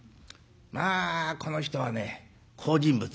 まあこの人はね好人物。